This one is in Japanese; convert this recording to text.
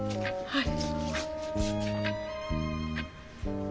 はい。